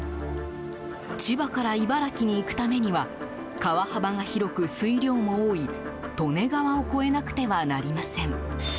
千葉から茨城に行くためには川幅が広く水量も多い利根川を越えなくてはなりません。